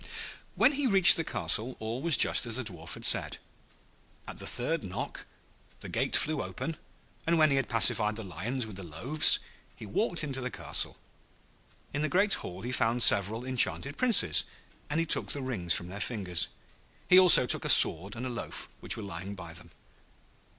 When he reached the castle all was just as the Dwarf had said. At the third knock the gate flew open, and when he had pacified the Lions with the loaves, he walked into the castle. In the great hall he found several enchanted Princes, and he took the rings from their fingers. He also took a sword and a loaf, which were lying by them.